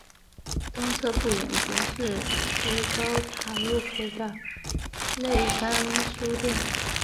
东侧不远则是施高塔路口的内山书店。